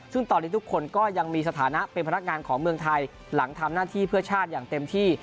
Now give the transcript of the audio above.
ซึ่งตอนนี้ทุกคนก็ยังมีสถานะเป็นพนักงานของเมืองไทยหลังทำหน้าที่เพื่อชาติอย่างเต็มที่